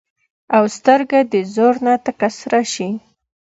او سترګه د زور نه تکه سره شي